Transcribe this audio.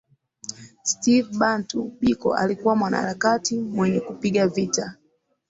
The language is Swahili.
Steve Bantu Biko alikuwa mwanaharakati mwenye kupiga vita